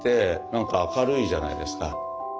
何か明るいじゃないですか。